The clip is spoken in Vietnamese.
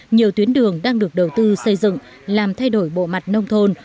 nhiều tuyến đường đang được đầu tư xây dựng làm thay đổi bộ mặt nông thôn